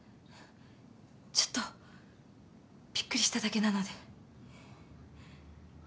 ちょっとびっくりしただけなので。